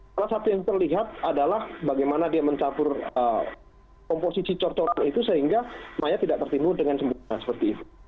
salah satu yang terlihat adalah bagaimana dia mencapur komposisi cor coran itu sehingga semuanya tidak tertimbul dengan sempurna seperti itu